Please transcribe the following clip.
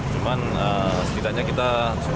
cuman setidaknya kita sudah